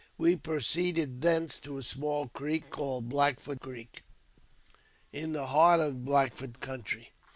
We proceeded thence to a small creek, called Black Foot Creek, in the heart of the Black Foot country.